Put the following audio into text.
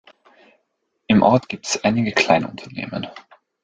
Im Ort gibt es einige Kleinunternehmen.